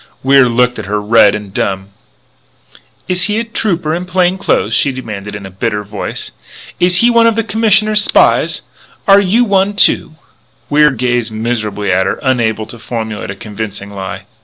Wier looked at her, red and dumb. "Is he a Trooper in plain clothes?" she demanded in a bitter voice. "Is he one of the Commissioner's spies? Are you one, too?" Wier gazed miserably at her, unable to formulate a convincing lie.